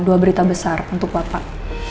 dua berita besar untuk bapak